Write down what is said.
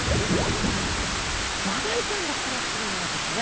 マダイちゃんが暮らしてるのはですね